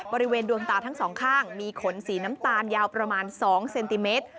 บริเวณดวงตาทั้งสองข้างมีขนสีน้ำตาลยาวประมาณ๒เซนติเมตร